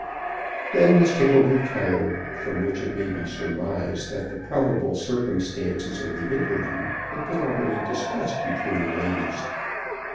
Then Miss Tickle retired; from which it may be surmised that the probable circumstances of the interview had been already discussed between the ladies.